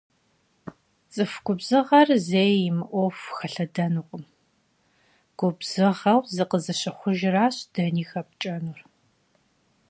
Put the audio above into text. ЦӀыху губзыгъэр зэи имыӀуэху хэлъэдэнукъым, губзыгъэу зыкъызыщыхъужыращ дэни хэпкӀэнур.